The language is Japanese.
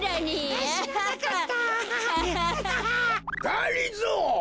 がりぞー！